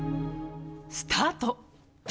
スタート！